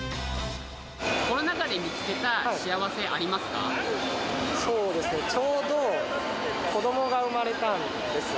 コロナ禍で見つけた幸せありそうですね、ちょうど子どもが産まれたんです。